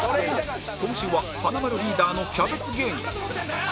今週は華丸リーダーのキャベツ芸人